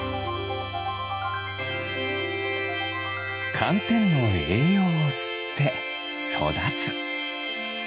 かんてんのえいようをすってそだつ。